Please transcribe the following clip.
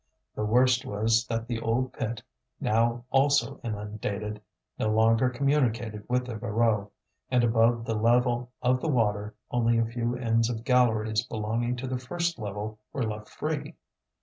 The worst was that the old pit, now also inundated, no longer communicated with the Voreux; and above the level of the water only a few ends of galleries belonging to the first level were left free.